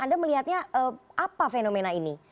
anda melihatnya apa fenomena ini